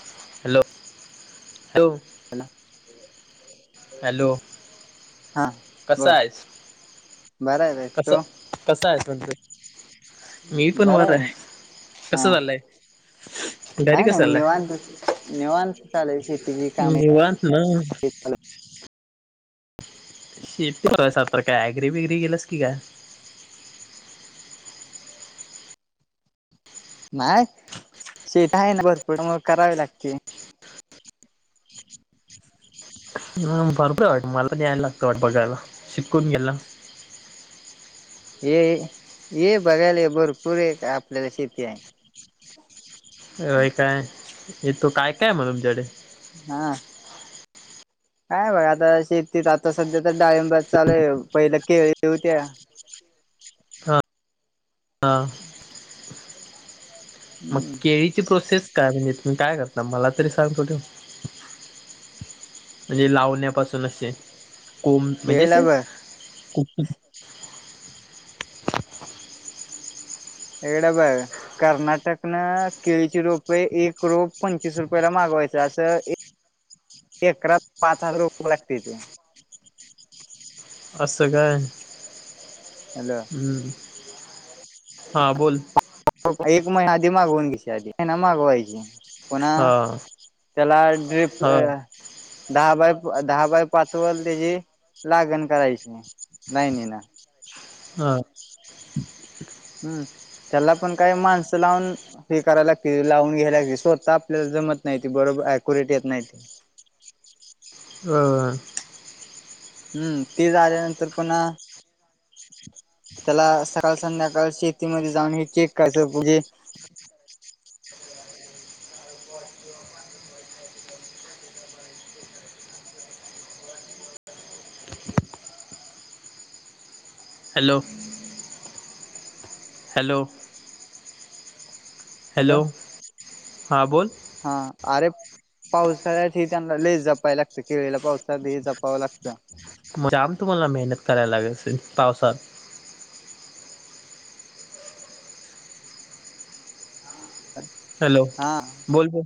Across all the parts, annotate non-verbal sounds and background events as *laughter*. Hello, hello. त्यांला. Hello. हा कसा बोल आहेस बरा आहे बस कस-कसा आहेस? मजेत. बरं आहे ना? हा कसं चाललंय घरी काय नाही कसं मग निवांत-निवांत. निवांत ना. *inaudible* काय ग्री बिग्री गेलस की काय नाही शेत आहेत. भरपूर मग करावी लागते. भरपूर वाटत. मला यायला लागतं वाट बघायला. शित कोन के ला. ये. ये बघायला भरपूर एक आपल्याला शेती आहे. अ काय हे तो काय-काय मला तुमच्याकडे. हा काय बघ आता शेती आता सध्या तर डाळंबर चालू. आहे पहिले केळी होत्या. हा मग हम्म केळीची प्रोसेस? काय असते. काय करता मला तरी सांगतो बघूया? म्हणजे लावण्यापासून असेल. कोम म्हणजे केळीला ते. बघ इकड बघ कर्नाटकनं केळीची रोपे एक रोप पंचवीस रुपयाला माग व्हायच असं एकरात पाच हजार रुपये लागतय ते. असंकाय हॅलो हम्म. हा बोल एक महिना आधी मागवून घ्याची आधी हीना मागवायची पुन्हा हा त्याला ड्रीप हा अ दहा बाय दहा बाय पाच वर त्याची लागण करायची नाही लायनिन हा हम्म त्याला पण काही माणसं लावून हे करायला लागतील, लावून घ्यायला लागते. स्वतः आपल्याला जमत नाही, ते बरोबर अक्युरेट येत नाही. हा, हम्म ते झाल्यानंतर पुन्हा, त्याला सकाळ संध्याकाळ शेतीमध्ये जाऊन हे चेक कराय म्हणजे, *inaudible* हॅलो? हॅलो! हॅलो हा बोल, हा अरे पावसाळ्यात हे त्यांना लेच जपायं लागतं, केळीला पावसाळ्यात लई जपावं लागतं. मग जाम तुम्हाला मेहनत करायला लागत, असेल पावसात. हॅलो हा बोल बोल,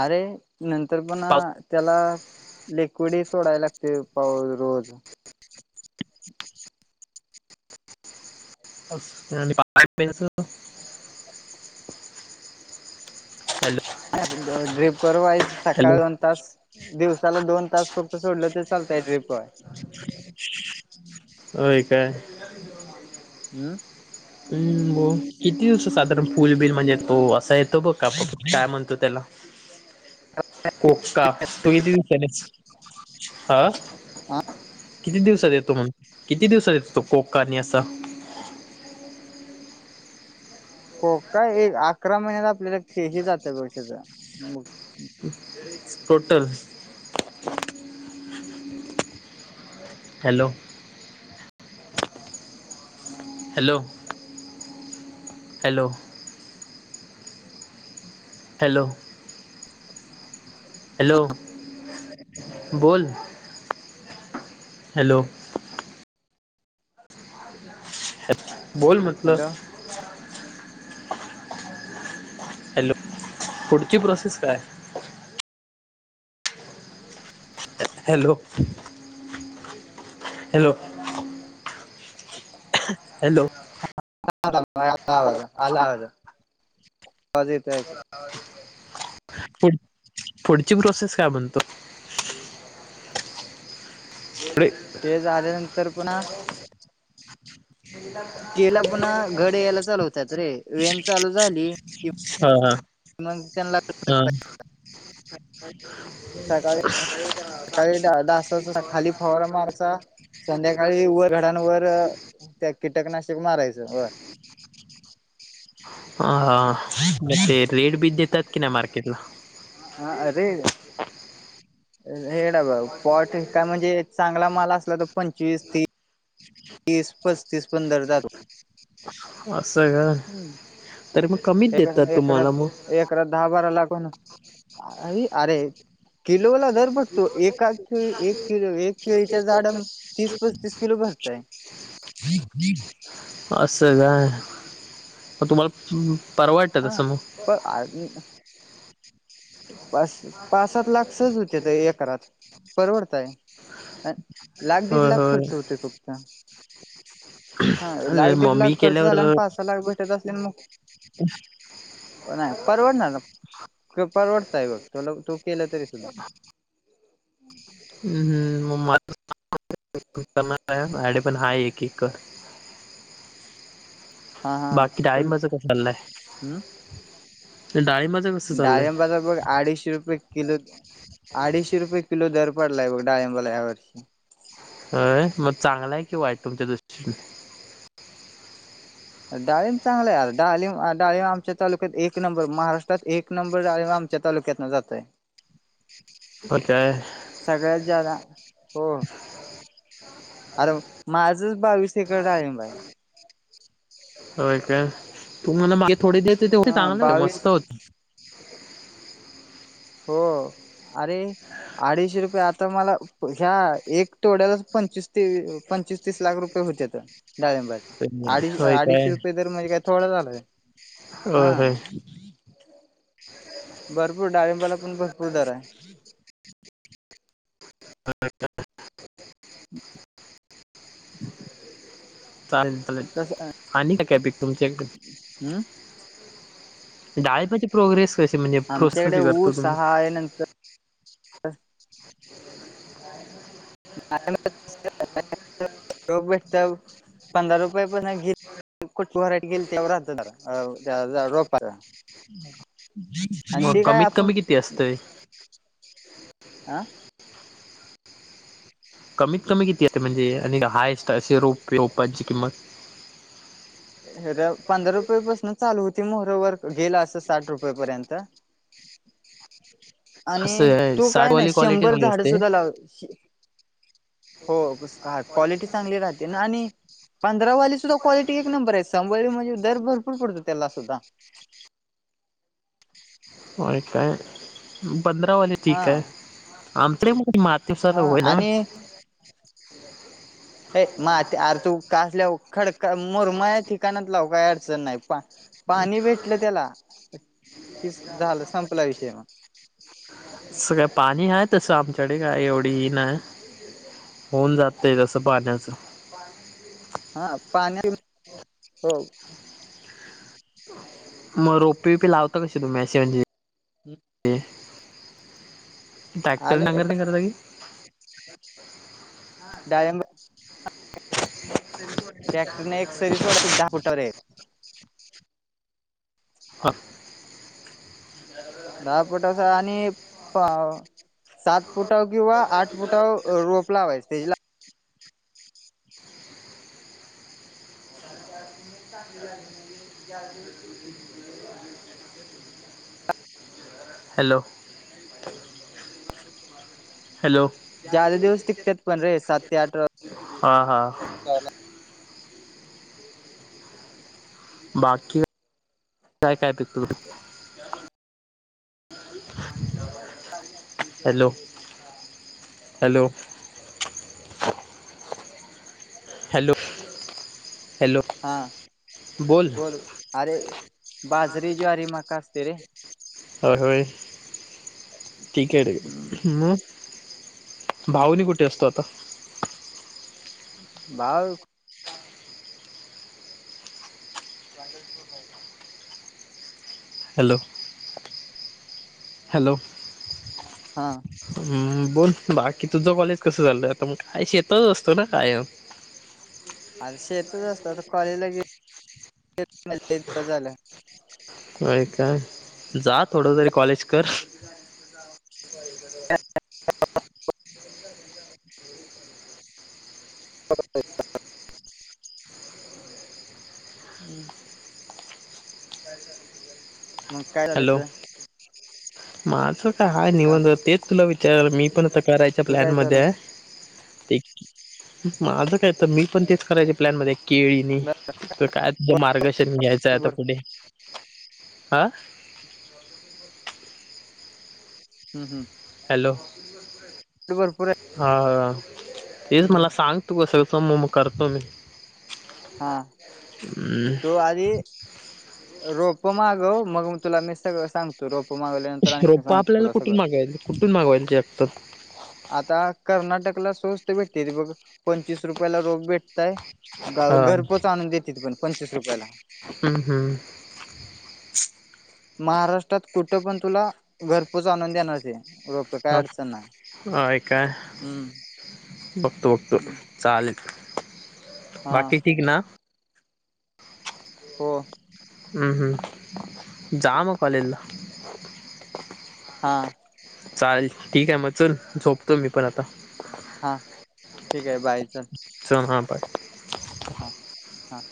अरे नंतर पण त्याला, लिक्विड ही सोडाय लागते पाऊ रोज, आठ पेन सो *unintelligible* ड्रिपर वाईस सकाळ, हॅलो दोन तास दिवस, चला दोन तास फक्त सोडलं ते चालतंय ड्रीपवर, आय, हम्म, हम् हो किती दिवस साधारण फुलबिल म्हणजे, तो असा येतो बघ का काय म्हणतो त्याला, *unintelligible* कोक्का तू कती दिसतस हा *unintelligible* किती दिवसात येतो, मंग किती दिवसात येतो तो कोक काणी असा, कोका एक अकरा महिन्यात आपल्याला केली जात, बघ असा, टोटल, हॅलो! हॅलो हॅल? हॅलो हॅलो बोल, हॅलो! बोल म्हटलं, हॅलो हॅलो पुढची प्रोसेस काय, हॅलो? Hello hello! *unintelligible* आवाज येत का, पु पुढची प्रोसेस काय म्हणतो. पुढे ते झा आल्यानंतर पुन्हा केळीला पुन्हा घड यायला चालू होतात, रे व्हॅन चालू झाली. कि हा हा. मग त्यांना *unintelligible* सकाळी सकाळी, डासाचा खाली फवरा मारचा. संध्याकाळी व घडांवर त्या, कीटकनाशक मारायचं वर. ह म ते रेट बी देतात कि नाही मार्केटला. हा अरे हेड बा पॉट काय म्हणजे, चांगला माल असला तर पंचवीस तीस. तीस पस्तीस पण दर जातो. असं का तर मग कमीच हम्म देतात एकरा तुम्हाला मग एकरा दहा बारा लाख *unintelligible* अे अरे किलोला दर भेटतो ए एक किलो एक केळीच्या झाडनं तीस, पस्तीस किलो भरताय. असं काय मग तुम्हाला परवडत तसं मगं... हा पाच -पाच, सात लाख सहज होत्या त्या एकरात परवडतायं. अ लाख, दीड होय लाख होय खर्च होतोय फक्त. हा अरे लाख, दीड मग मी लाख खर्च केल्यावर झाला आणि पाच, सहा लाख भेटत असले आणि मग *inaudible* नाही परवडणारं, परवडतयं बघ तुला तू केलं तरी सुद्धा *inaudible* *inaudible* हा हा बाकी डाळिंबाच हम्म काय चाललंय? डाळिंबर डाळिंबाचपण अडीचशे रुपये कलो अडीचशे रुपये कलो दर पडलायं बघ डाळिंबाला या वर्षी अ मग चांगलाय कि वाईट तुमच्या दृष्टीनं? अ डाळिंब चांगलाय आरं डालिंब आ डाळिंब आमच्या तालुक्यात एक नंबर, महाराष्ट्रात एक नंबर डाळिंब आम आमच्या तालुक्यातनं जातंय. *inaudible* हो काय सगळ्यात ज्यादा, हो. आरं माझंच बावीस एकर डाळिंब आहे. हो काय? तू मला मागे थोडी दिलते ते हा चांगले होते मस्त बावीस होते. हो. अरे अडीचशे रुपये आता मला प ह्या एक तोड्यालाच पंचवीस तेव अ पंचवीस तीस लाख रुपये होत्यातं, डाळिंबाचं अडी होय अडीचशे रुपये दर म्हणजे काय थोडा झालं व्हय? हो होई. भरपूर डाळिंबाला पण भरपूर दर आहे. *inaudible* चालेल चालेल, तस आणि काय काय पीक तुमच्याकडे? हम् डाळिंबाची प्रोग्रेस कशी म्हणजे प्रोसेस आमच्याकडे कशी करतो ऊस तुम्ही हाय नंतर *unintelligible* रोख भेटत्या, पंधरा रुपये पासनं घे कुठलं व्हरायटी घेईल त्याव‌र दर त्या रोपावर. मग कमीत कमी किती असतयं? आ? कमीत कमी किती असते, म्हणजे आणि हायस्ट असे रोप रोपांची किंमत? र पंधरा रुपयेपासून चालू होती, मोहरो वर गेलं असं साठ रुपये पर्यंत. *inaudible* आणि असं आहे, तू काय साठ ना वाली क्वालिटी शंभर चांगली झाडं असते सुुद्धा लाव श हो तस क्वालिटी चांगली राहते ना आणि पण धंरावाली सुद्धा क्वालिटी एक नंबर आहे, *unintelligible* म्हणजे दर भरपूर पडतो त्याला सुद्धा. *inaudible* होय काय? म पंधरावाले हा ठीक आहे, आंत्र मातिसा तर हा होय ना. अय मग आ ते आर तु कासल्या खडक मुरमाच्या ठिकाणात लाव काही अडचण नाही. पा पाणी भेटलं त्याला कि स झालं संपला विषय मग. सगळं पाणी आहे तसं आमच्याडे काय एवढं ही नाही. होऊन जातंय तसं पाण्याचं. हा पाण्या हो. मग रोपी वीपी लावता कशी तुम्ही? असे म्हणजे ट्रॅक्टर आलं नांगरणी करता की डाळिंब ट्रॅक्टरने एक सरी सोडायची दहा फुटावर एक. हा. दहा फुट असा आणि पा सात फुटाव किंवा आठ फुठाव अ रोप लावायचं त्याची ला हॅलो! हॅलो ज्यादा दिवस टिकत्यात पण रे, सात ते आठ हा हा. रोपाला. बाकी काय काय पिकतं? Hello, hello. हॅलो. हॅलो हा बोल, आरे. बाजरी, ज्वारी, मका असतोय रे. होय होय ठीक आहे रे हम्म म भाऊ नी कुठे असतो आता? बाग हॅलो. हॅलो. हा. हम् बोल बाकी तुझं कॉलेज कसं चालंय? आता मग काय शेतातच असतोय ना कायम? ह *inaudible* आर शेतातच असतो आता कॉलेजला गे *unintelligible* लई दिवस झाल. व्हय काय? जा थोडं तरी कॉलेज कर. *unintelligible* हू म. मग काय झालं हॅलो याचं? माझं काय हाय निवंत, तेच तुला विचार मी पण थक करायच्या तुझं काय प्लॅनमध्ये झालं हाय. ते माझं काय तर? मी पण तेच करायच्या प्लॅनमध्ये हाय. केळीनी कुठ काय? तुंझ मार्गदर्शन घ्यायचंय आता भरपूर पुुढे हा. हू हू. हॅलो, आहे हा हा तेच हम्म मला सांग तू कस सम म करतो मी. हा, हम्म तु आधी रोप प मागव मग मी तुला मी सगळं सांगतो रो रोपं आपल्याला कुठून मागवायल कुठून मागवायलते आता? आता कर्नाटकला स्वस्त भेटतेती बघ, पंचवीस रुपयाला रोप भेट तय, गा हा घर पोहच आणून देतेती पण पंचवीस रुपयाला. हम्म हम्म *inaudible* महाराष्ट्रात कुठं पण तुला घरपोच आणून देणार ते. रोपं ह काय अडचण नाय. होय काय? हम्म बघतो बघतो, हम्म चालेल. हा बाकी ठीक ना? हो. हम्म हम्म, जा म कॉलेजला. हा. चालेल, ठीक आहे मग चल, झोपतो मी पण आता. हा ठिक चल हा बाय. हा, हा